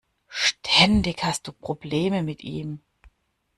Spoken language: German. Ständig hast du Probleme mit ihm.